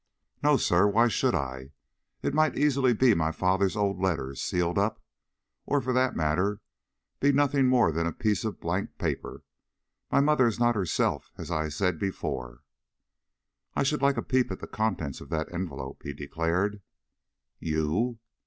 "No, sir. Why should I? It might easily be my father's old letters sealed up, or, for that matter, be nothing more than a piece of blank paper. My mother is not herself, as I have said before." "I should like a peep at the contents of that envelope," he declared. "You?"